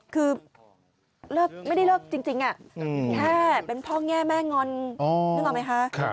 คือไม่ได้เลิกจริงแค่เป็นพ่อแง่แม่งอนนึกออกไหมคะ